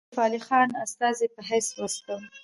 یوسف علي خان استازي په حیث واستاوه.